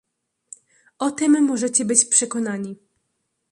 "O tem możecie być przekonani."